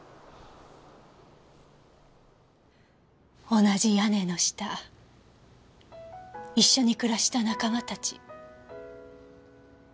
同じ屋根の下一緒に暮らした仲間たち。